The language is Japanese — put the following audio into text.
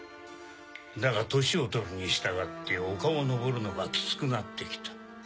だが年をとるに従って丘を登るのがキツくなってきた。